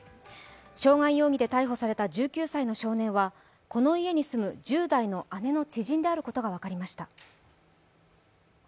傷害容疑で逮捕された１９歳の少年はこの家に住む、１０代の姉の知人であることが分かりました。